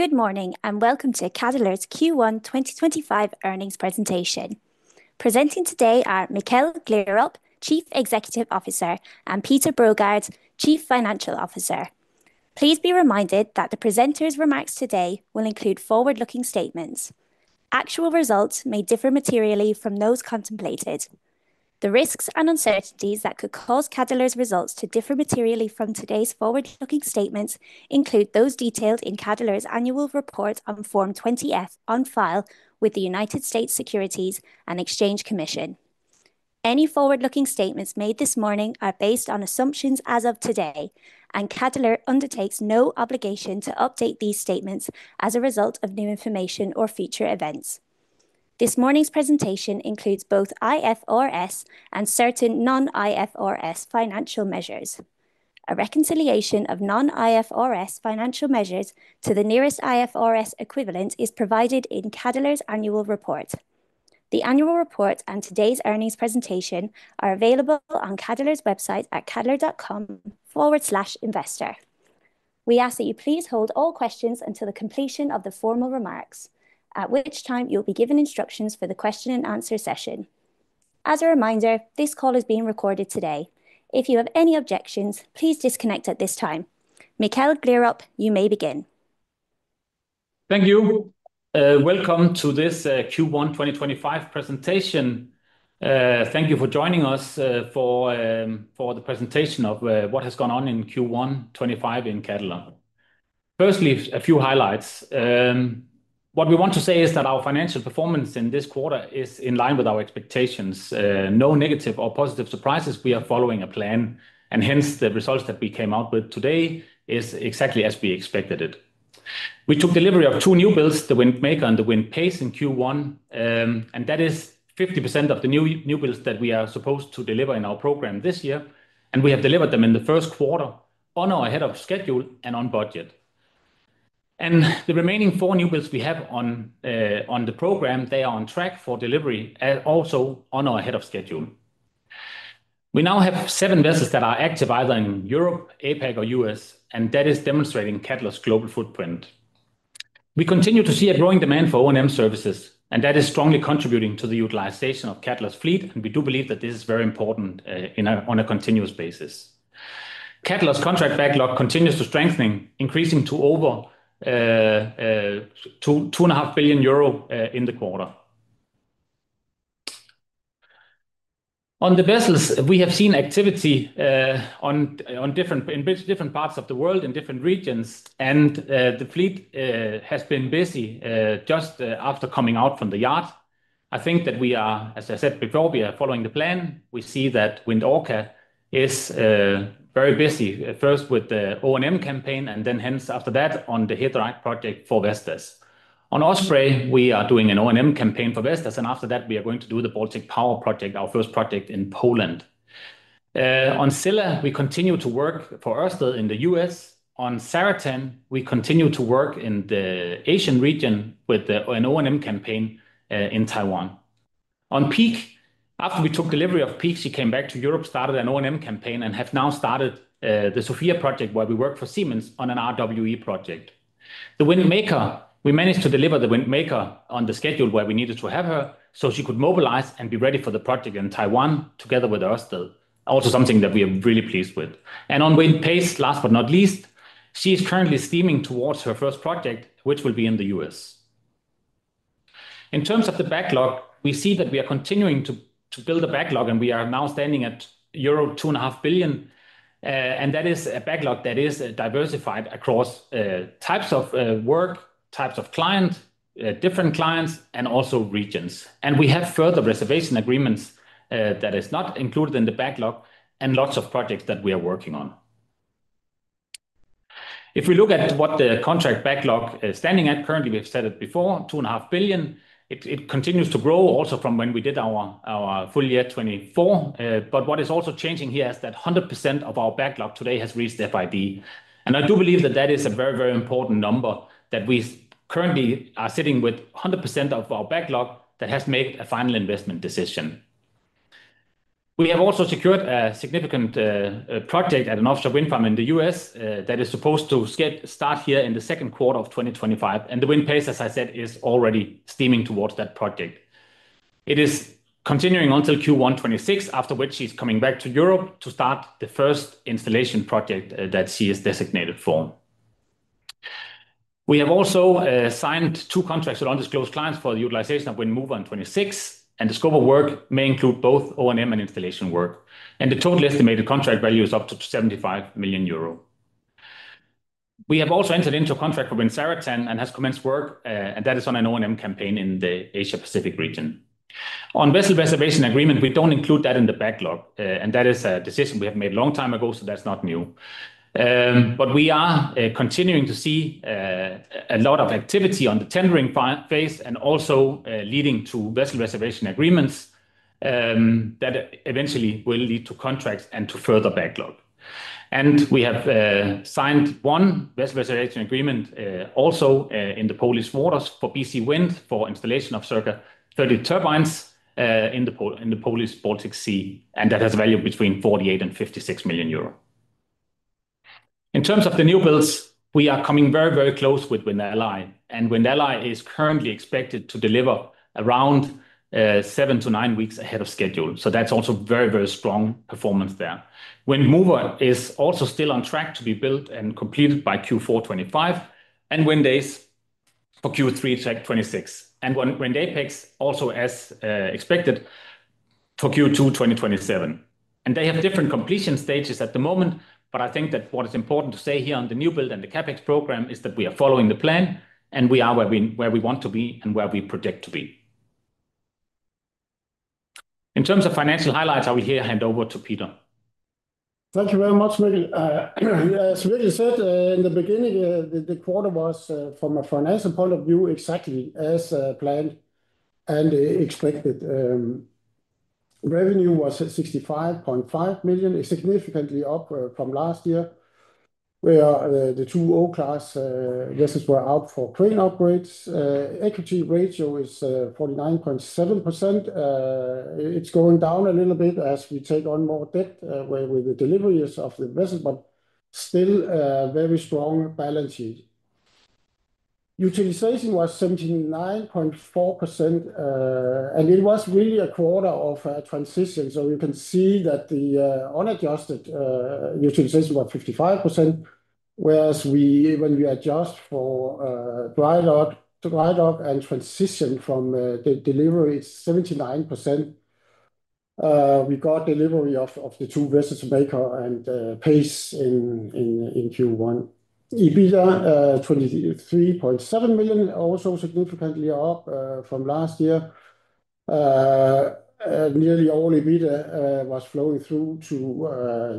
Good morning and welcome to Cadeler's Q1 2025 Earnings Presentation. Presenting today are Mikkel Gleerup, Chief Executive Officer, and Peter Brogaard, Chief Financial Officer. Please be reminded that the presenters' remarks today will include forward-looking statements. Actual results may differ materially from those contemplated. The risks and uncertainties that could cause Cadeler's results to differ materially from today's forward-looking statements include those detailed in Cadeler's annual report on Form 20-F on file with the United States Securities and Exchange Commission. Any forward-looking statements made this morning are based on assumptions as of today, and Cadeler undertakes no obligation to update these statements as a result of new information or future events. This morning's presentation includes both IFRS and certain non-IFRS financial measures. A reconciliation of non-IFRS financial measures to the nearest IFRS equivalent is provided in Cadeler's annual report. The annual report and today's earnings presentation are available on Cadeler's website at cadeler.com/investor. We ask that you please hold all questions until the completion of the formal remarks, at which time you'll be given instructions for the question-and-answer session. As a reminder, this call is being recorded today. If you have any objections, please disconnect at this time. Mikkel Gleerup, you may begin. Thank you. Welcome to this Q1 2025 presentation. Thank you for joining us for the presentation of what has gone on in Q1 2025 in Cadeler. Firstly, a few highlights. What we want to say is that our financial performance in this quarter is in line with our expectations. No negative or positive surprises. We are following a plan, and hence the results that we came out with today are exactly as we expected it. We took delivery of two new builds, the Wind Maker and the Wind Pace, in Q1, and that is 50% of the new builds that we are supposed to deliver in our program this year, and we have delivered them in the first quarter on our head of schedule and on budget. The remaining four new builds we have on the program, they are on track for delivery also on our head of schedule. We now have seven vessels that are active either in Europe, APAC, or the U.S., and that is demonstrating Cadeler's global footprint. We continue to see a growing demand for O&M services, and that is strongly contributing to the utilization of Cadeler's fleet, and we do believe that this is very important on a continuous basis. Cadeler's contract backlog continues to strengthen, increasing to over 2.5 billion euro in the quarter. On the vessels, we have seen activity in different parts of the world, in different regions, and the fleet has been busy just after coming out from the yard. I think that we are, as I said before, we are following the plan. We see that Wind Orca is very busy, first with the O&M campaign, and then hence after that on the Hitherite project for Vestas. On Osprey, we are doing an O&M campaign for Vestas, and after that, we are going to do the Baltic Power project, our first project in Poland. On Scilla, we continue to work for Ørsted in the U.S. On Zaratan, we continue to work in the Asian region with an O&M campaign in Taiwan. On Peak, after we took delivery of Peak, she came back to Europe, started an O&M campaign, and have now started the Sofia project where we work for Siemens on an RWE project. The Wind Maker, we managed to deliver the Wind Maker on the schedule where we needed to have her so she could mobilize and be ready for the project in Taiwan together with Ørsted, also something that we are really pleased with. On Wind Pace, last but not least, she is currently steaming towards her first project, which will be in the U.S. In terms of the backlog, we see that we are continuing to build the backlog, and we are now standing at euro 2.5 billion, and that is a backlog that is diversified across types of work, types of clients, different clients, and also regions. We have further reservation agreements that are not included in the backlog and lots of projects that we are working on. If we look at what the contract backlog is standing at, currently we've said it before, 2.5 billion. It continues to grow also from when we did our full year 2024, but what is also changing here is that 100% of our backlog today has reached FID, and I do believe that that is a very, very important number that we currently are sitting with 100% of our backlog that has made a final investment decision. We have also secured a significant project at an offshore wind farm in the U.S. that is supposed to start here in the second quarter of 2025, and the Wind Pace, as I said, is already steaming towards that project. It is continuing until Q1 2026, after which she's coming back to Europe to start the first installation project that she is designated for. We have also signed two contracts with undisclosed clients for the utilization of Wind Mover in 2026, and the scope of work may include both O&M and installation work, and the total estimated contract value is up to 75 million euro. We have also entered into a contract for Wind Zaratan and have commenced work, and that is on an O&M campaign in the Asia-Pacific region. On vessel reservation agreement, we don't include that in the backlog, and that is a decision we have made a long time ago, so that's not new. We are continuing to see a lot of activity on the tendering phase and also leading to vessel reservation agreements that eventually will lead to contracts and to further backlog. We have signed one vessel reservation agreement also in the Polish waters for BC-Wind for installation of circa 30 turbines in the Polish Baltic Sea, and that has a value between 48 million and 56 million euro. In terms of the new builds, we are coming very, very close with Wind Ally, and Wind Ally is currently expected to deliver around seven to nine weeks ahead of schedule, so that's also very, very strong performance there. Mover is also still on track to be built and completed by Q4 2025, and Wind Ace for Q3 2026, and Wind Apex also as expected for Q2 2027. They have different completion stages at the moment, but I think that what is important to say here on the new build and the CapEx program is that we are following the plan, and we are where we want to be and where we project to be. In terms of financial highlights, I will here hand over to Peter. Thank you very much, Mikkel. As Mikkel said in the beginning, the quarter was from a financial point of view exactly as planned and expected. Revenue was 65.5 million, significantly up from last year where the two O-class vessels were out for crane upgrades. Equity ratio is 49.7%. It's going down a little bit as we take on more debt with the deliveries of the vessel, but still a very strong balance sheet. Utilization was 79.4%, and it was really a quarter of transition, so you can see that the unadjusted utilization was 55%, whereas when we adjust for dry dock and transition from delivery, it's 79%. We got delivery of the two vessels, Wind Maker and Wind Pace, in Q1. EBITDA, 23.7 million, also significantly up from last year. Nearly all EBITDA was flowing through to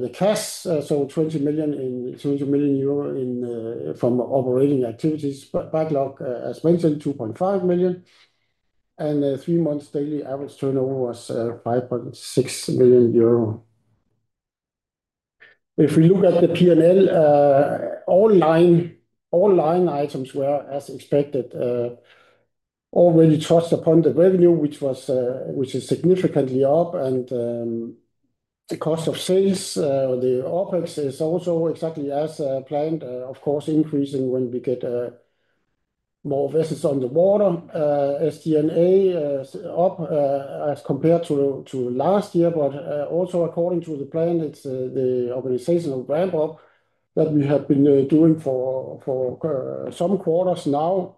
the cash, so 20 million euro in from operating activities. Backlog, as mentioned, 2.5 billion, and three months daily average turnover was 5.6 million euro. If we look at the P&L, all line items were, as expected, already touched upon the revenue, which is significantly up, and the cost of sales, the OPEX, is also exactly as planned, of course increasing when we get more vessels on the water. SG&A up as compared to last year, but also according to the plan, it's the organizational ramp-up that we have been doing for some quarters now,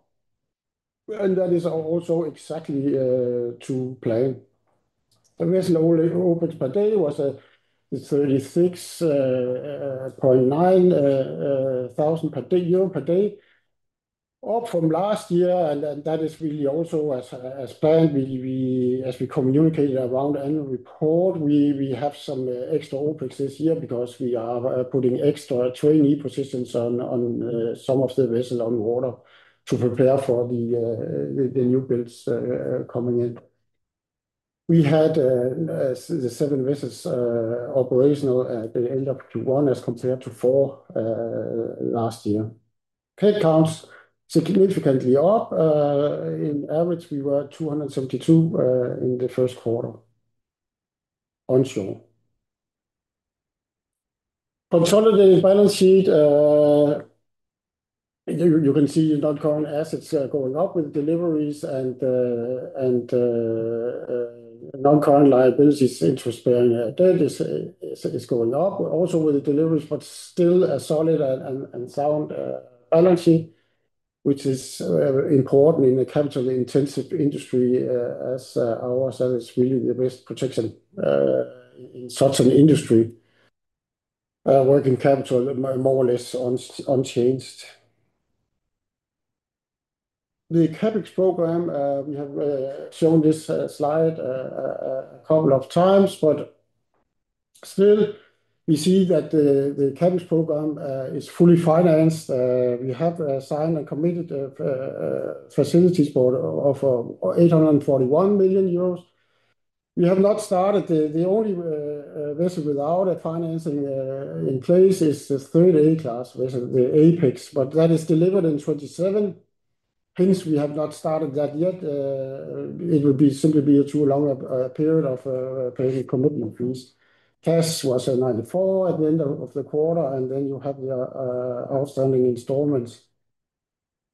and that is also exactly to plan. The vessel OPEX per day was EUR 36,900 per day, up from last year, and that is really also as planned. As we communicated around the annual report, we have some extra OPEX this year because we are putting extra trainee positions on some of the vessels on water to prepare for the new builds coming in. We had the seven vessels operational at the end of Q1 as compared to four last year. Pay accounts significantly up. In average, we were 272 in the first quarter onshore. Consolidated balance sheet, you can see non-current assets going up with deliveries and non-current liabilities, interest-bearing debt is going up also with the deliveries, but still a solid and sound balance sheet, which is important in a capital-intensive industry as ours, and it is really the best protection in such an industry. Working capital more or less unchanged. The CapEx program, we have shown this slide a couple of times, but still we see that the CapEx program is fully financed. We have signed and committed facilities for 841 million euros. We have not started, the only vessel without a financing in place is the third A-class vessel, the Apex, but that is delivered in 2027. Hence, we have not started that yet. It would simply be a too long a period of paying commitment fees. CAS was 94 at the end of the quarter, and then you have the outstanding installments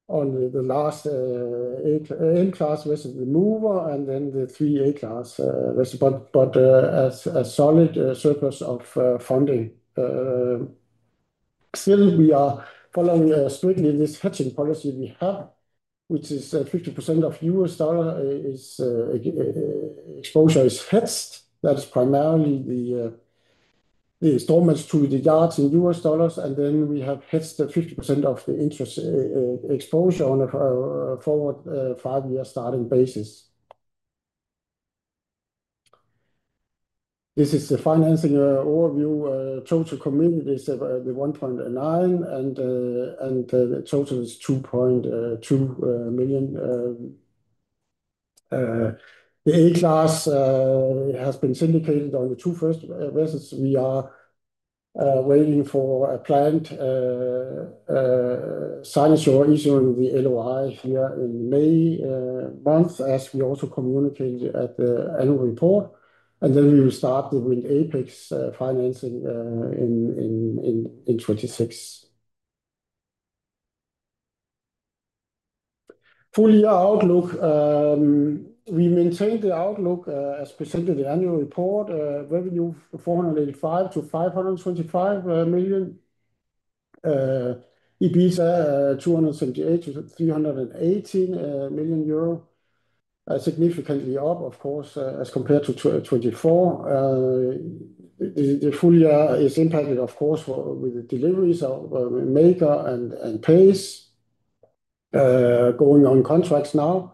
on the last A-class vessel, the Wind Mover, and then the three A-class vessels, but a solid surplus of funding. Still, we are following strictly this hedging policy we have, which is 50% of US dollar exposure is hedged. That is primarily the installments to the yards in US dollars, and then we have hedged 50% of the interest exposure on a forward five-year starting basis. This is the financing overview. Total committed is 1.9 billion, and the total is 2.2 billion. The A-class has been syndicated on the two first vessels. We are waiting for a planned signature issuing the LOI here in May month, as we also communicated at the annual report, and then we will start the Wind Apex financing in 2026. Full year outlook, we maintained the outlook as presented in the annual report. Revenue 485 million-525 million. EBITDA 278 million-318 million euro, significantly up, of course, as compared to 2024. The full year is impacted, of course, with the deliveries of Maker and Pace going on contracts now,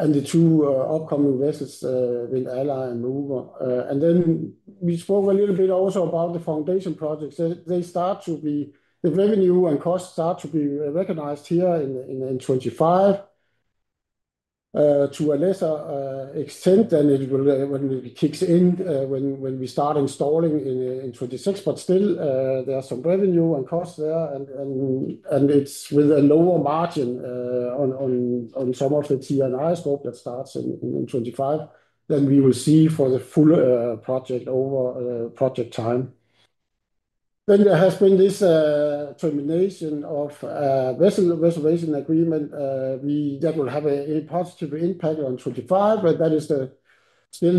and the two upcoming vessels, Wind Ally and Wind Mover. We spoke a little bit also about the foundation projects. They start to be the revenue and costs start to be recognized here in 2025 to a lesser extent than it kicks in when we start installing in 2026, but still there are some revenue and costs there, and it is with a lower margin on some of the T&I scope that starts in 2025 than we will see for the full project over project time. There has been this termination of vessel reservation agreement that will have a positive impact on 2025, but that is still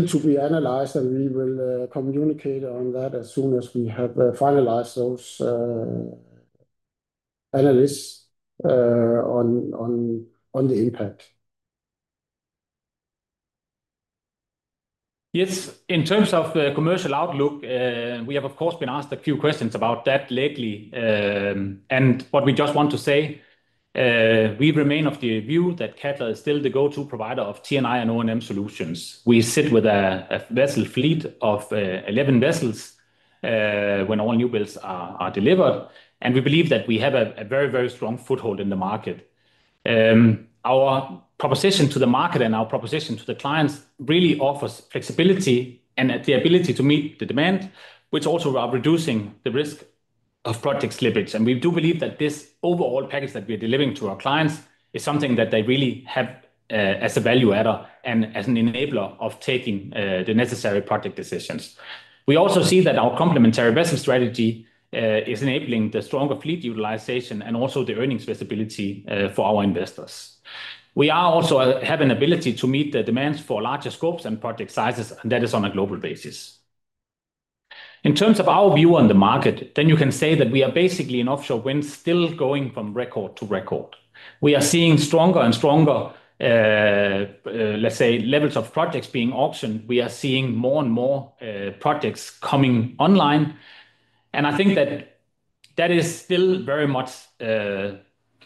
to be analyzed, and we will communicate on that as soon as we have finalized those analyses on the impact. Yes, in terms of the commercial outlook, we have, of course, been asked a few questions about that lately, and what we just want to say, we remain of the view that Cadeler is still the go-to provider of T&I and O&M solutions. We sit with a vessel fleet of 11 vessels when all new builds are delivered, and we believe that we have a very, very strong foothold in the market. Our proposition to the market and our proposition to the clients really offers flexibility and the ability to meet the demand, which also are reducing the risk of project slippage. We do believe that this overall package that we are delivering to our clients is something that they really have as a value add and as an enabler of taking the necessary project decisions. We also see that our complementary vessel strategy is enabling the stronger fleet utilization and also the earnings visibility for our investors. We also have an ability to meet the demands for larger scopes and project sizes, and that is on a global basis. In terms of our view on the market, you can say that we are basically in offshore wind still going from record to record. We are seeing stronger and stronger, let's say, levels of projects being auctioned. We are seeing more and more projects coming online, and I think that that is still very much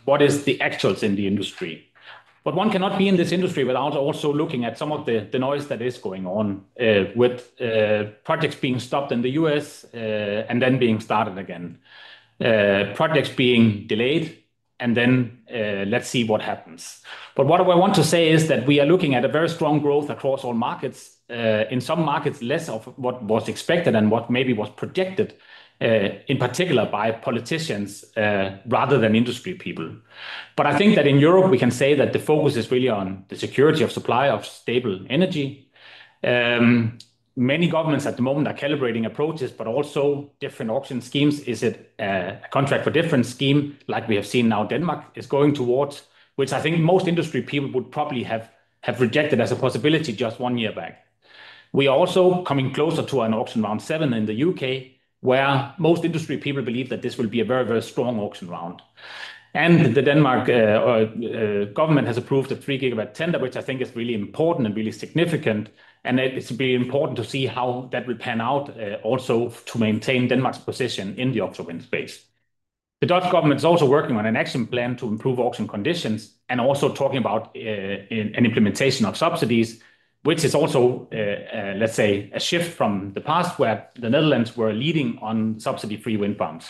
what is the actuals in the industry. One cannot be in this industry without also looking at some of the noise that is going on with projects being stopped in the U.S. and then being started again, projects being delayed, and then let's see what happens. What I want to say is that we are looking at very strong growth across all markets, in some markets less of what was expected and what maybe was projected, in particular by politicians rather than industry people. I think that in Europe we can say that the focus is really on the security of supply of stable energy. Many governments at the moment are calibrating approaches, but also different auction schemes. Is it a contract for difference scheme like we have seen now Denmark is going towards, which I think most industry people would probably have rejected as a possibility just one year back? We are also coming closer to an auction round seven in the U.K. where most industry people believe that this will be a very, very strong auction round. The Denmark government has approved a 3-gigawatt tender, which I think is really important and really significant, and it is really important to see how that will pan out also to maintain Denmark's position in the offshore wind space. The Dutch government is also working on an action plan to improve auction conditions and also talking about an implementation of subsidies, which is also, let's say, a shift from the past where the Netherlands were leading on subsidy-free wind farms.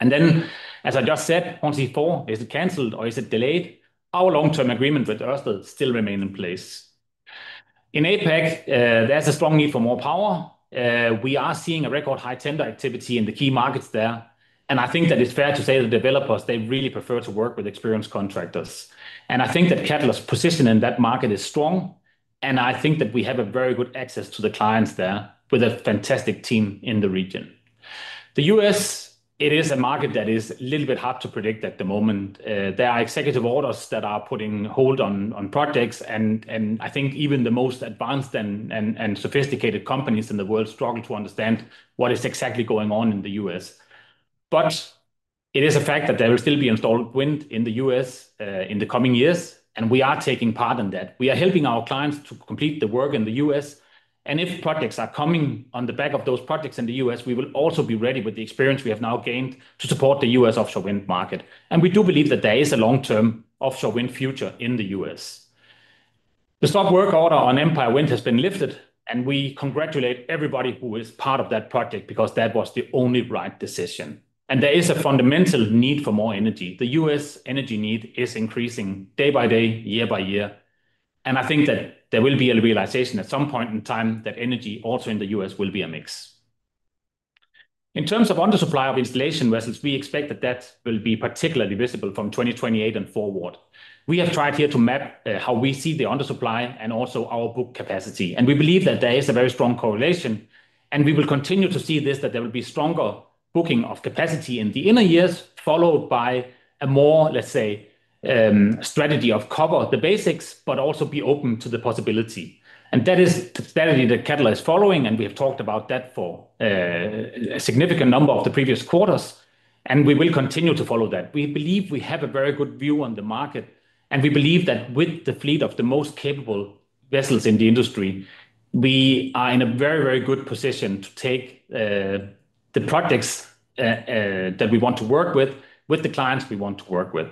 As I just said, 2024, is it canceled or is it delayed? Our long-term agreement with Ørsted still remains in place. In APAC, there is a strong need for more power. We are seeing record high tender activity in the key markets there, and I think that it is fair to say the developers, they really prefer to work with experienced contractors. I think that Cadeler's position in that market is strong, and I think that we have very good access to the clients there with a fantastic team in the region. The U.S., it is a market that is a little bit hard to predict at the moment. There are executive orders that are putting hold on projects, and I think even the most advanced and sophisticated companies in the world struggle to understand what is exactly going on in the U.S. It is a fact that there will still be installed wind in the U.S. in the coming years, and we are taking part in that. We are helping our clients to complete the work in the U.S., and if projects are coming on the back of those projects in the U.S., we will also be ready with the experience we have now gained to support the U.S. offshore wind market. We do believe that there is a long-term offshore wind future in the U.S. The stop work order on Empire Wind has been lifted, and we congratulate everybody who is part of that project because that was the only right decision. There is a fundamental need for more energy. The U.S. energy need is increasing day by day, year by year, and I think that there will be a realization at some point in time that energy also in the U.S. will be a mix. In terms of undersupply of installation vessels, we expect that will be particularly visible from 2028 and forward. We have tried here to map how we see the undersupply and also our book capacity, and we believe that there is a very strong correlation, and we will continue to see this, that there will be stronger booking of capacity in the inner years followed by a more, let's say, strategy of cover the basics, but also be open to the possibility. That is the strategy that Cadeler is following, and we have talked about that for a significant number of the previous quarters, and we will continue to follow that. We believe we have a very good view on the market, and we believe that with the fleet of the most capable vessels in the industry, we are in a very, very good position to take the projects that we want to work with, with the clients we want to work with.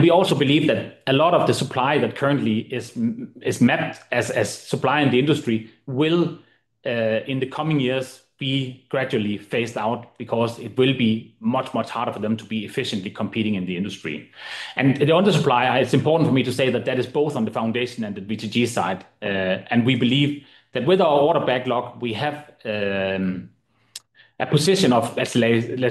We also believe that a lot of the supply that currently is mapped as supply in the industry will, in the coming years, be gradually phased out because it will be much, much harder for them to be efficiently competing in the industry. The undersupply, it's important for me to say that that is both on the foundation and the VTG side, and we believe that with our order backlog, we have a position of, let's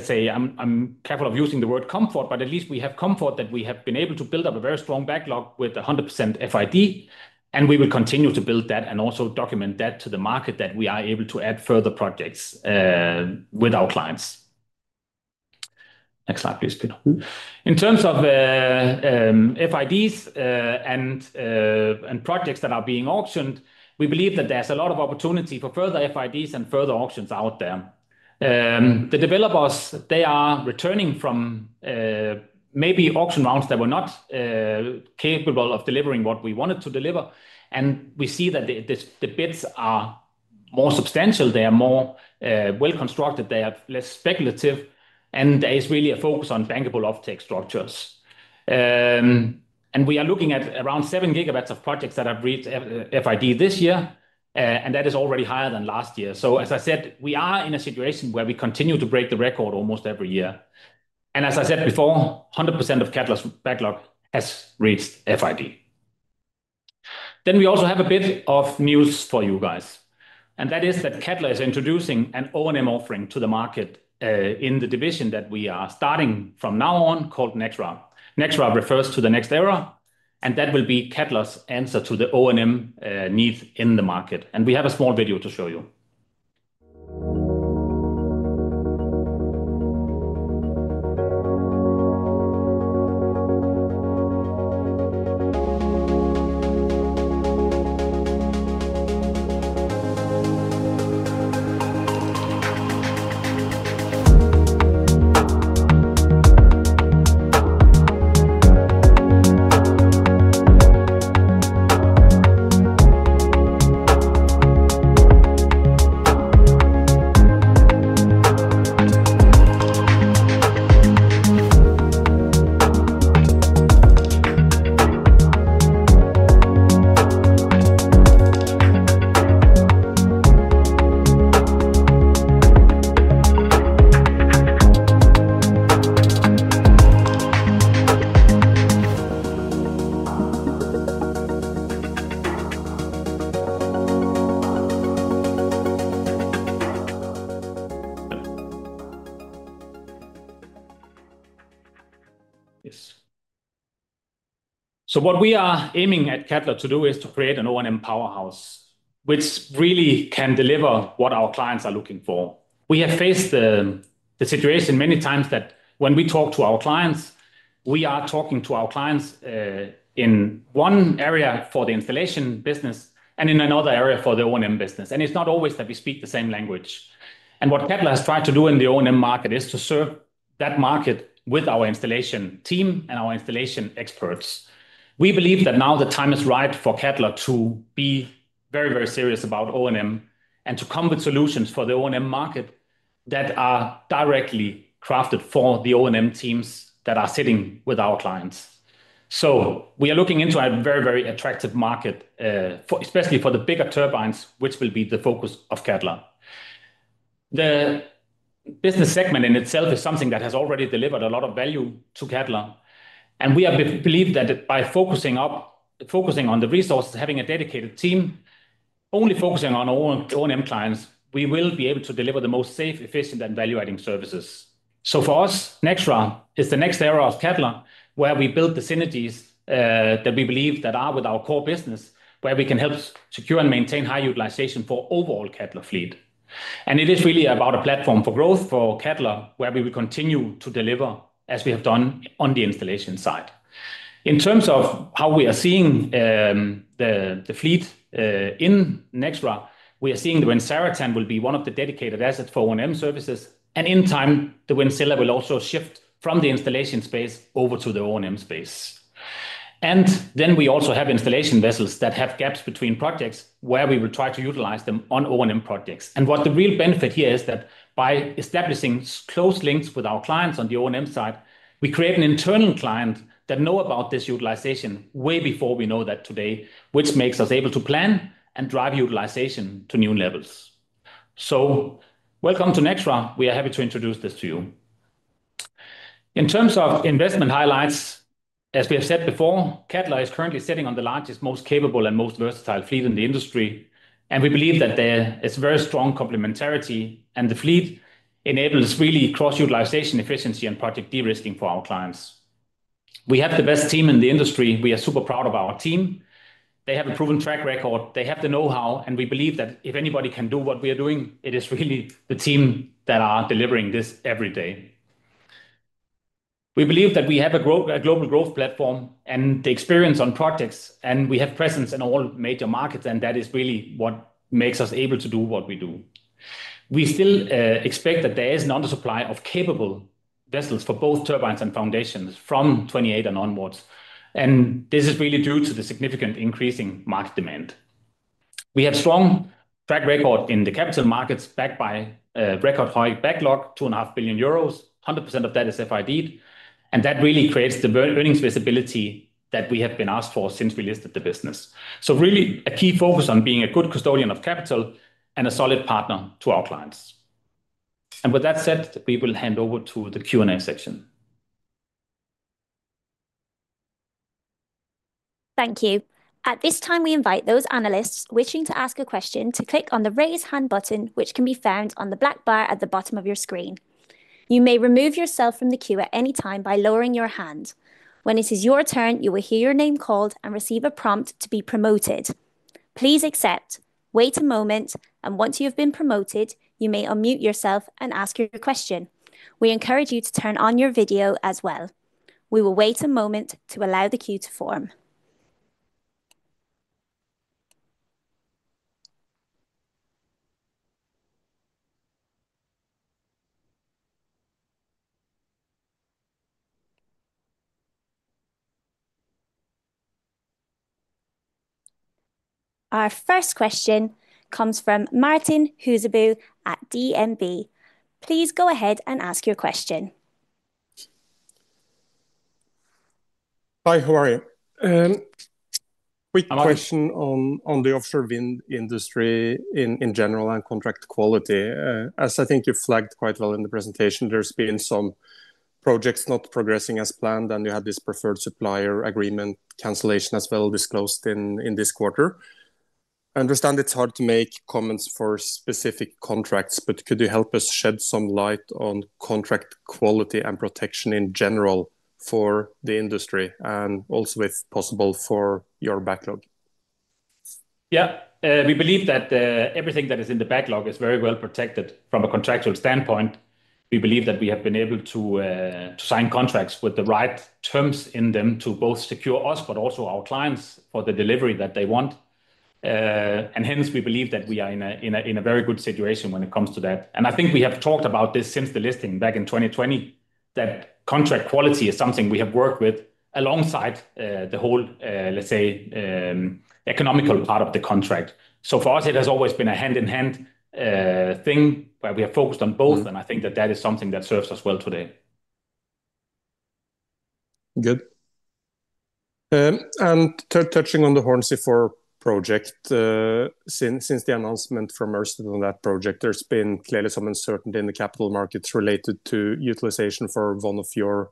say, I'm careful of using the word comfort, but at least we have comfort that we have been able to build up a very strong backlog with 100% FID, and we will continue to build that and also document that to the market that we are able to add further projects with our clients. Next slide, please, Peter. In terms of FIDs and projects that are being auctioned, we believe that there's a lot of opportunity for further FIDs and further auctions out there. The developers, they are returning from maybe auction rounds that were not capable of delivering what we wanted to deliver, and we see that the bids are more substantial. They are more well-constructed. They are less speculative, and there is really a focus on bankable off-take structures. We are looking at around 7 gigawatts of projects that have reached FID this year, and that is already higher than last year. As I said, we are in a situation where we continue to break the record almost every year. As I said before, 100% of Cadeler's backlog has reached FID. We also have a bit of news for you guys, and that is that Cadeler is introducing an O&M offering to the market in the division that we are starting from now on called Nexra. Nexra refers to the next era, and that will be Cadeler's answer to the O&M needs in the market. We have a small video to show you. Yes. What we are aiming at Cadeler to do is to create an O&M powerhouse, which really can deliver what our clients are looking for. We have faced the situation many times that when we talk to our clients, we are talking to our clients in one area for the installation business and in another area for the O&M business, and it is not always that we speak the same language. What Cadeler has tried to do in the O&M market is to serve that market with our installation team and our installation experts. We believe that now the time is right for Cadeler to be very, very serious about O&M and to come with solutions for the O&M market that are directly crafted for the O&M teams that are sitting with our clients. We are looking into a very, very attractive market, especially for the bigger turbines, which will be the focus of Cadeler. The business segment in itself is something that has already delivered a lot of value to Cadeler, and we believe that by focusing on the resources, having a dedicated team, only focusing on O&M clients, we will be able to deliver the most safe, efficient, and value-adding services. For us, Nexra is the next era of Cadeler where we build the synergies that we believe are with our core business, where we can help secure and maintain high utilization for the overall Cadeler fleet. It is really about a platform for growth for Cadeler where we will continue to deliver as we have done on the installation side. In terms of how we are seeing the fleet in Nexra, we are seeing the Wind Zaratan will be one of the dedicated assets for O&M services, and in time, the Wind Scilla will also shift from the installation space over to the O&M space. We also have installation vessels that have gaps between projects where we will try to utilize them on O&M projects. What the real benefit here is that by establishing close links with our clients on the O&M side, we create an internal client that knows about this utilization way before we know that today, which makes us able to plan and drive utilization to new levels. Welcome to Nexra. We are happy to introduce this to you. In terms of investment highlights, as we have said before, Cadeler is currently sitting on the largest, most capable, and most versatile fleet in the industry, and we believe that there is a very strong complementarity, and the fleet enables really cross-utilization efficiency and project de-risking for our clients. We have the best team in the industry. We are super proud of our team. They have a proven track record. They have the know-how, and we believe that if anybody can do what we are doing, it is really the team that are delivering this every day. We believe that we have a global growth platform and the experience on projects, and we have presence in all major markets, and that is really what makes us able to do what we do. We still expect that there is an undersupply of capable vessels for both turbines and foundations from 2028 and onwards, and this is really due to the significant increasing market demand. We have a strong track record in the capital markets backed by a record high backlog, 2.5 billion euros, 100% of that is FID, and that really creates the earnings visibility that we have been asked for since we listed the business. A key focus is on being a good custodian of capital and a solid partner to our clients. With that said, we will hand over to the Q&A section. Thank you. At this time, we invite those analysts wishing to ask a question to click on the raise hand button, which can be found on the black bar at the bottom of your screen. You may remove yourself from the queue at any time by lowering your hand. When it is your turn, you will hear your name called and receive a prompt to be promoted. Please accept, wait a moment, and once you have been promoted, you may unmute yourself and ask your question. We encourage you to turn on your video as well. We will wait a moment to allow the queue to form. Our first question comes from Martin Huseby at DNB. Please go ahead and ask your question. Hi, how are you? Quick question on the offshore wind industry in general and contract quality. As I think you have flagged quite well in the presentation, there have been some projects not progressing as planned, and you had this preferred supplier agreement cancellation as well disclosed in this quarter. I understand it's hard to make comments for specific contracts, but could you help us shed some light on contract quality and protection in general for the industry and also if possible for your backlog? Yeah, we believe that everything that is in the backlog is very well protected from a contractual standpoint. We believe that we have been able to sign contracts with the right terms in them to both secure us, but also our clients for the delivery that they want. Hence, we believe that we are in a very good situation when it comes to that. I think we have talked about this since the listing back in 2020, that contract quality is something we have worked with alongside the whole, let's say, economical part of the contract. For us, it has always been a hand-in-hand thing where we have focused on both, and I think that that is something that serves us well today. Good. Touching on the Hornsea Four project, since the announcement from Ernst & Young on that project, there has been clearly some uncertainty in the capital markets related to utilization for one of your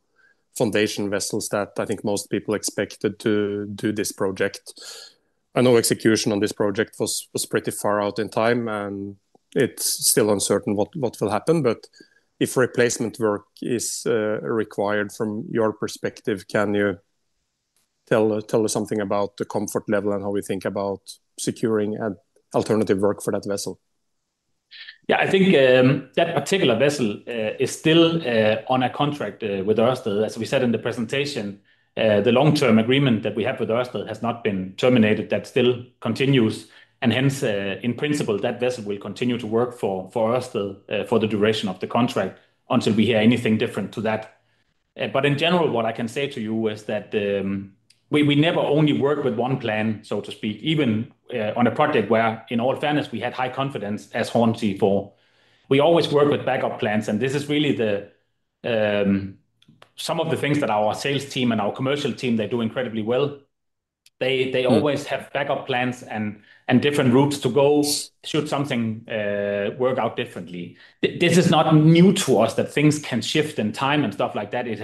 foundation vessels that I think most people expected to do this project. I know execution on this project was pretty far out in time, and it is still uncertain what will happen, but if replacement work is required from your perspective, can you tell us something about the comfort level and how we think about securing alternative work for that vessel? Yeah, I think that particular vessel is still on a contract with Ørsted. As we said in the presentation, the long-term agreement that we have with Ørsted has not been terminated. That still continues, and hence, in principle, that vessel will continue to work for Ørsted for the duration of the contract until we hear anything different to that. In general, what I can say to you is that we never only work with one plan, so to speak, even on a project where in all fairness, we had high confidence as Hornsea Four. We always work with backup plans, and this is really some of the things that our sales team and our commercial team, they do incredibly well. They always have backup plans and different routes to go should something work out differently. This is not new to us that things can shift in time and stuff like that. It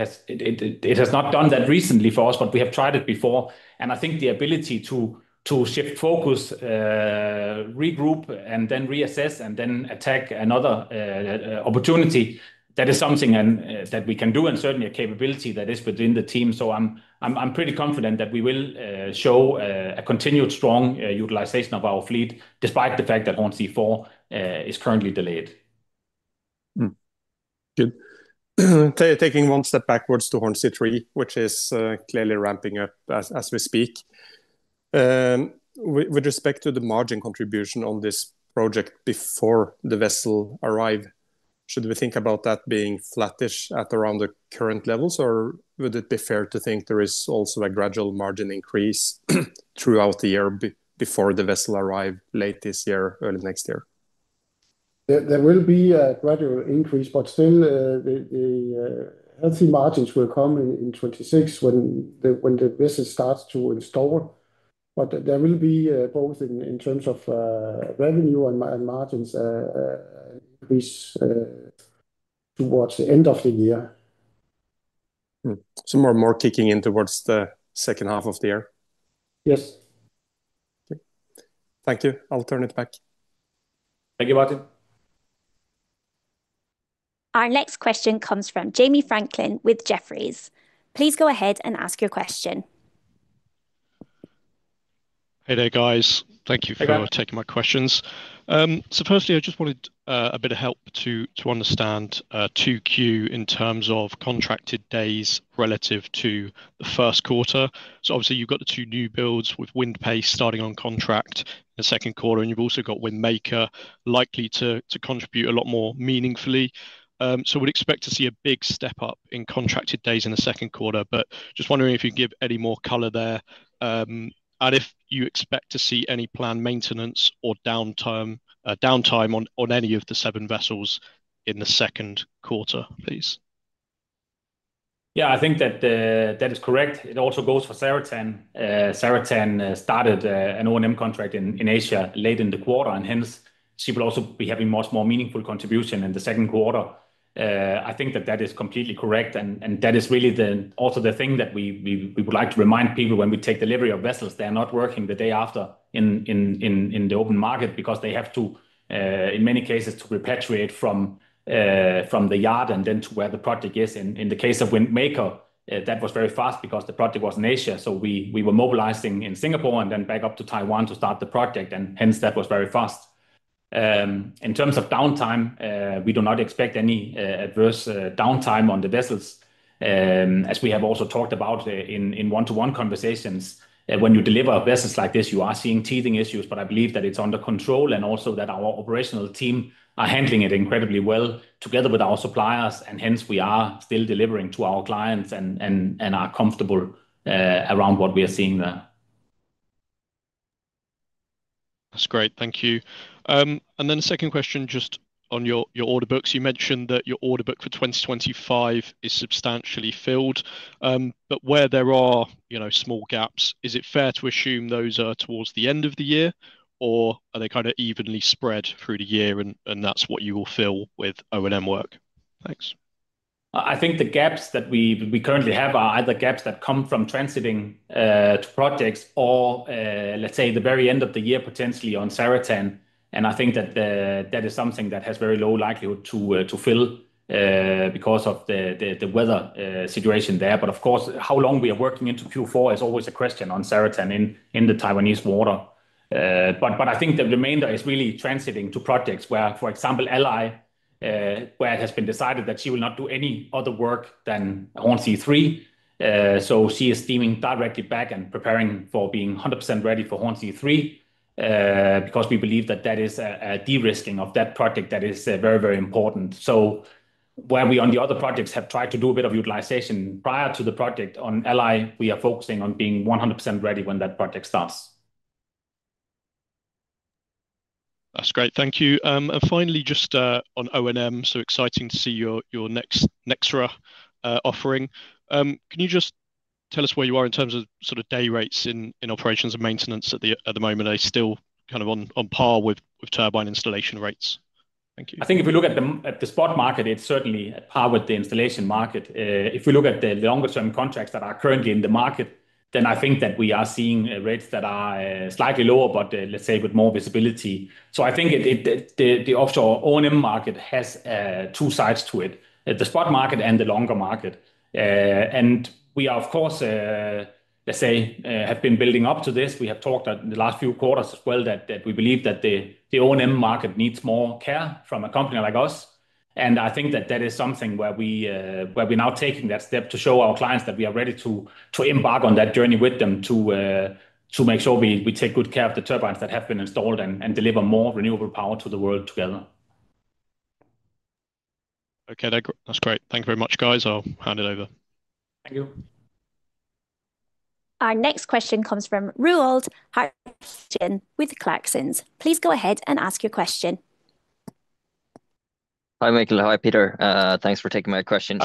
has not done that recently for us, but we have tried it before, and I think the ability to shift focus, regroup, and then reassess, and then attack another opportunity, that is something that we can do and certainly a capability that is within the team. I am pretty confident that we will show a continued strong utilization of our fleet despite the fact that Hornsea Four is currently delayed. Good. Taking one step backwards to Hornsea Three, which is clearly ramping up as we speak. With respect to the margin contribution on this project before the vessel arrives, should we think about that being flattish at around the current levels, or would it be fair to think there is also a gradual margin increase throughout the year before the vessel arrives late this year, early next year? There will be a gradual increase, but still, the healthy margins will come in 2026 when the vessel starts to install. There will be both in terms of revenue and margins increase towards the end of the year. Some more kicking in towards the second half of the year. Yes. Thank you. I'll turn it back. Thank you, Martin. Our next question comes from Jamie Franklin with Jefferies. Please go ahead and ask your question. Hey there, guys. Thank you for taking my questions. Firstly, I just wanted a bit of help to understand 2Q in terms of contracted days relative to the first quarter. Obviously, you've got the two new builds with Wind Pace starting on contract in the second quarter, and you've also got Wind Maker likely to contribute a lot more meaningfully. We'd expect to see a big step up in contracted days in the second quarter, but just wondering if you can give any more color there. If you expect to see any planned maintenance or downtime on any of the seven vessels in the second quarter, please. Yeah, I think that is correct. It also goes for Zaratan. Zaratan started an O&M contract in Asia late in the quarter, and hence, she will also be having much more meaningful contribution in the second quarter. I think that that is completely correct, and that is really also the thing that we would like to remind people when we take delivery of vessels. They are not working the day after in the open market because they have to, in many cases, repatriate from the yard and then to where the project is. In the case of Wind Maker, that was very fast because the project was in Asia. We were mobilizing in Singapore and then back up to Taiwan to start the project, and hence, that was very fast. In terms of downtime, we do not expect any adverse downtime on the vessels, as we have also talked about in one-to-one conversations. When you deliver vessels like this, you are seeing teething issues, but I believe that it's under control and also that our operational team are handling it incredibly well together with our suppliers, and hence, we are still delivering to our clients and are comfortable around what we are seeing there. That's great. Thank you. A second question just on your order books. You mentioned that your order book for 2025 is substantially filled, but where there are small gaps, is it fair to assume those are towards the end of the year, or are they kind of evenly spread through the year and that's what you will fill with O&M work? Thanks. I think the gaps that we currently have are either gaps that come from transiting to projects or, let's say, the very end of the year potentially on Zaratan, and I think that that is something that has very low likelihood to fill because of the weather situation there. Of course, how long we are working into Q4 is always a question on Zaratan in the Taiwanese water. I think the remainder is really transiting to projects where, for example, Ally, where it has been decided that she will not do any other work than Hornsea 3. She is steaming directly back and preparing for being 100% ready for Hornsea Three because we believe that that is a de-risking of that project that is very, very important. Where we on the other projects have tried to do a bit of utilization prior to the project on Ally, we are focusing on being 100% ready when that project starts. That's great. Thank you. Finally, just on O&M, so exciting to see your next NextRA offering. Can you just tell us where you are in terms of sort of day rates in operations and maintenance at the moment? Are they still kind of on par with turbine installation rates? Thank you. I think if we look at the spot market, it's certainly at par with the installation market. If we look at the longer-term contracts that are currently in the market, then I think that we are seeing rates that are slightly lower, but let's say with more visibility. I think the offshore O&M market has two sides to it, the spot market and the longer market. We are, of course, let's say, have been building up to this. We have talked in the last few quarters as well that we believe that the O&M market needs more care from a company like us. I think that that is something where we are now taking that step to show our clients that we are ready to embark on that journey with them to make sure we take good care of the turbines that have been installed and deliver more renewable power to the world together. Okay, that's great. Thank you very much, guys. I'll hand it over. Thank you. Our next question comes from Roald Hartvigsen with Clarksons. Please go ahead and ask your question. Hi, Mikkel. Hi, Peter. Thanks for taking my question.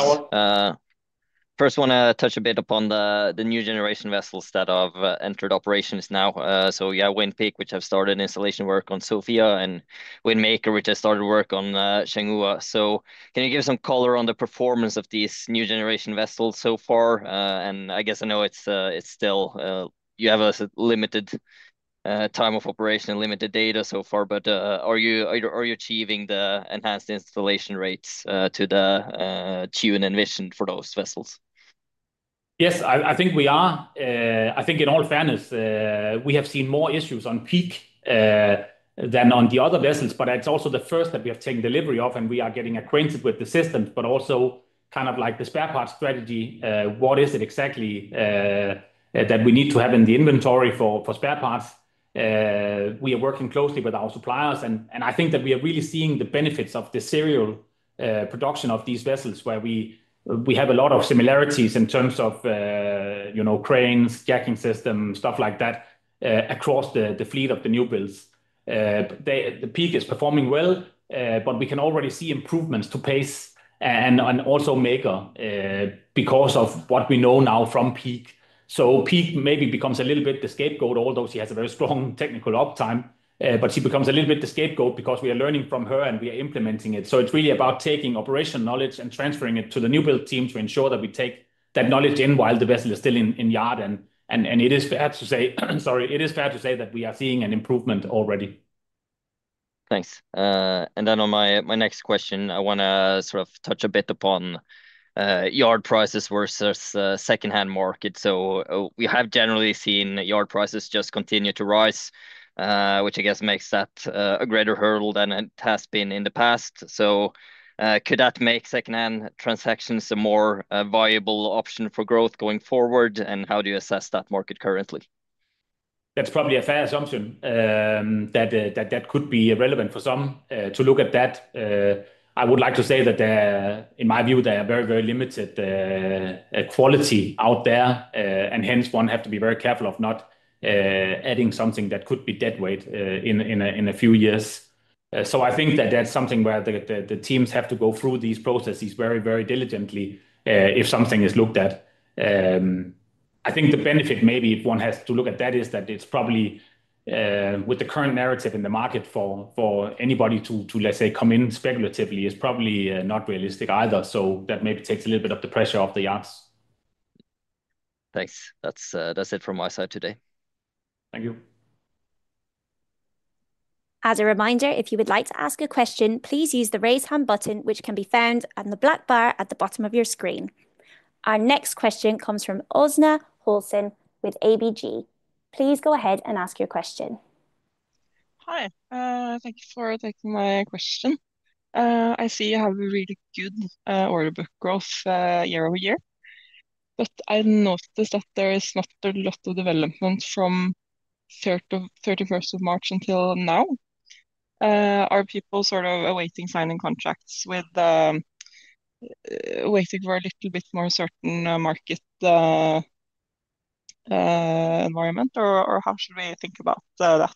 First, I want to touch a bit upon the new generation vessels that have entered operations now. Yeah, Wind Peak, which has started installation work on Sofia, and Wind Maker, which has started work on Shangua. Can you give some color on the performance of these new generation vessels so far? I guess I know you still have a limited time of operation and limited data so far, but are you achieving the enhanced installation rates to the tune envisioned for those vessels? Yes, I think we are. I think in all fairness, we have seen more issues on Peak than on the other vessels, but it's also the first that we have taken delivery of, and we are getting acquainted with the systems, but also kind of like the spare parts strategy. What is it exactly that we need to have in the inventory for spare parts? We are working closely with our suppliers, and I think that we are really seeing the benefits of the serial production of these vessels where we have a lot of similarities in terms of cranes, jacking system, stuff like that across the fleet of the new builds. The Peak is performing well, but we can already see improvements to Pace and also Maker because of what we know now from Peak. Peak maybe becomes a little bit the scapegoat, although she has a very strong technical uptime, but she becomes a little bit the scapegoat because we are learning from her and we are implementing it. It is really about taking operational knowledge and transferring it to the new build teams to ensure that we take that knowledge in while the vessel is still in yard. It is fair to say, sorry, it is fair to say that we are seeing an improvement already. Thanks. On my next question, I want to sort of touch a bit upon yard prices versus secondhand market. We have generally seen yard prices just continue to rise, which I guess makes that a greater hurdle than it has been in the past. Could that make secondhand transactions a more viable option for growth going forward? How do you assess that market currently? That's probably a fair assumption that that could be relevant for some to look at that. I would like to say that in my view, there are very, very limited quality out there, and hence one has to be very careful of not adding something that could be dead weight in a few years. I think that that's something where the teams have to go through these processes very, very diligently if something is looked at. I think the benefit maybe one has to look at that is that it's probably with the current narrative in the market for anybody to, let's say, come in speculatively is probably not realistic either. That maybe takes a little bit of the pressure off the yards. Thanks. That's it from my side today. Thank you. As a reminder, if you would like to ask a question, please use the raise hand button, which can be found on the black bar at the bottom of your screen. Our next question comes from Åsne Holsen with ABG. Please go ahead and ask your question. Hi. Thank you for taking my question. I see you have a really good order book growth year over year, but I noticed that there is not a lot of development from 31st of March until now. Are people sort of awaiting signing contracts with waiting for a little bit more certain market environment, or how should we think about that?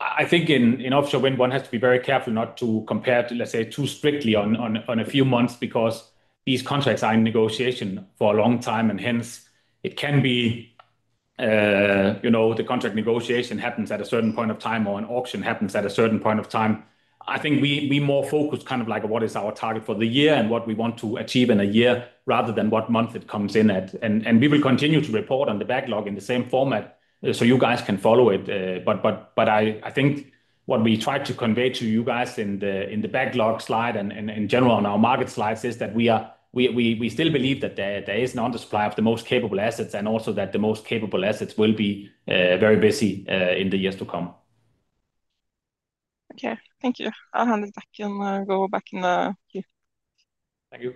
I think in offshore wind, one has to be very careful not to compare, let's say, too strictly on a few months because these contracts are in negotiation for a long time, and hence it can be the contract negotiation happens at a certain point of time or an auction happens at a certain point of time. I think we more focus kind of like what is our target for the year and what we want to achieve in a year rather than what month it comes in at. We will continue to report on the backlog in the same format so you guys can follow it. I think what we tried to convey to you guys in the backlog slide and in general on our market slides is that we still believe that there is an undersupply of the most capable assets and also that the most capable assets will be very busy in the years to come. Okay. Thank you. I'll hand it back and go back in the queue. Thank you.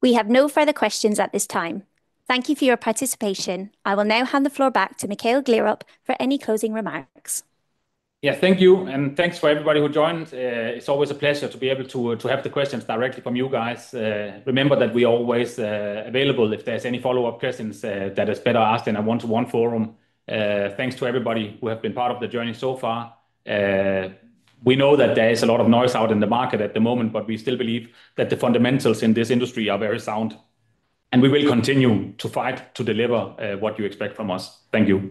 We have no further questions at this time. Thank you for your participation. I will now hand the floor back to Mikkel Gleerup for any closing remarks. Yeah, thank you. And thanks for everybody who joined. It's always a pleasure to be able to have the questions directly from you guys. Remember that we are always available if there's any follow-up questions that are better asked in a one-to-one forum. Thanks to everybody who has been part of the journey so far. We know that there is a lot of noise out in the market at the moment, but we still believe that the fundamentals in this industry are very sound, and we will continue to fight to deliver what you expect from us. Thank you.